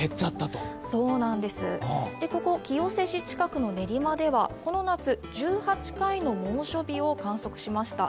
そうなんです、ここ、清瀬市近くの練馬ではこの夏、１８回の猛暑日を観測しました。